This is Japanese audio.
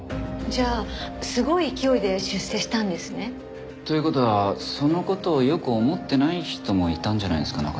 じゃあすごい勢いで出世したんですね。という事はその事を良く思ってない人もいたんじゃないですか？